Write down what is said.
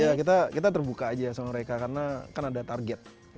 ya kita terbuka aja sama mereka karena kan ada target